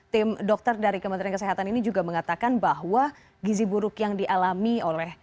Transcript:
tim dokter dari kementerian kesehatan ini juga mengatakan bahwa gizi buruk yang dialami oleh